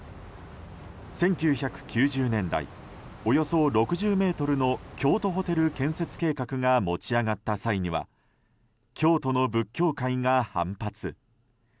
１９９０年代、およそ６０ｍの京都ホテル建設計画が持ち上がった際には京都の仏教界が反発。